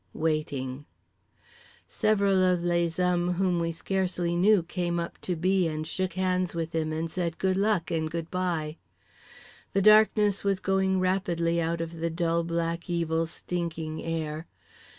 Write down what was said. Waiting. Several of les hommes whom we scarcely knew came up to B. and shook hands with him and said good luck and good bye. The darkness was going rapidly out of the dull black evil stinking air.